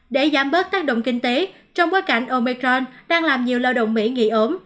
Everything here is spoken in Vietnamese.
để giảm bớt tác động kinh tế trong bối cảnh omicron đang làm nhiều lao động mỹ nghỉ ốm